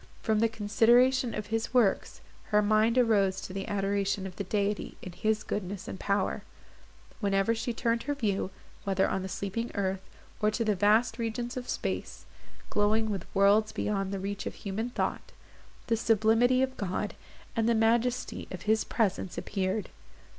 From the consideration of His works, her mind arose to the adoration of the Deity, in His goodness and power; wherever she turned her view, whether on the sleeping earth, or to the vast regions of space, glowing with worlds beyond the reach of human thought, the sublimity of God, and the majesty of His presence appeared.